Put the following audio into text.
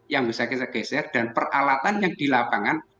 yang bisa kita geser dan peralatan yang di lapangan